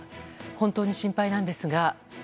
本当に心配なんですが。